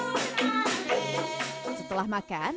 setelah makan saya diberikan makanan yang terbaik dari pasar kaki langit